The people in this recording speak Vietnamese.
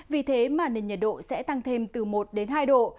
vì thế mà nền nhiệt độ sẽ tăng thêm từ một đến hai độ